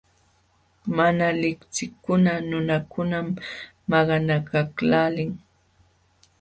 Mana liqsinakuq nunakunam maqanakaqlaalin.